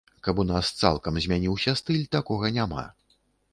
Каб у нас цалкам змяніўся стыль, такога няма.